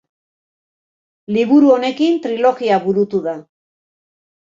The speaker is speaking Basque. Liburu honekin trilogia burutu da.